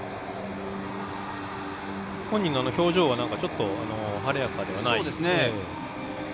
本人の表情はちょっと晴れやかではない感じですね。